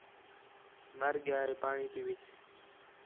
مَر ڳِیا ہِے پاݨی تی وِچ